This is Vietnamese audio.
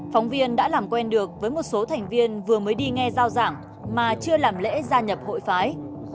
phóng viên đã làm quen được với một số thành viên vừa mới đi nghe giao giảng mà chưa làm lễ gia nhập hội phái